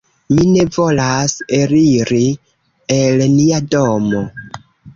Ni ne volas eliri el nia domo.